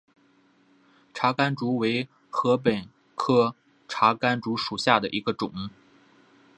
茶竿竹为禾本科茶秆竹属下的一个种。